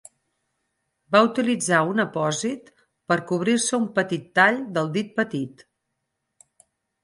Va utilitzar un apòsit per cobrir-se un petit tall del dit petit.